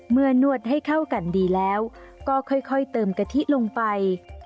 นวดให้เข้ากันดีแล้วก็ค่อยเติมกะทิลงไป